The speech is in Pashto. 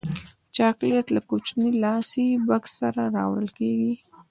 چاکلېټ له کوچني لاسي بکس سره راوړل کېږي.